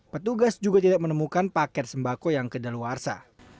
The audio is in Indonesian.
petugas juga tidak menemukan paket sembako yang kedaluarsa